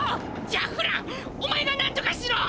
じゃあフランお前がなんとかしろ！